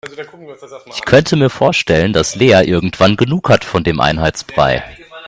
Ich könnte mir vorstellen, dass Lea irgendwann genug hat von dem Einheitsbrei.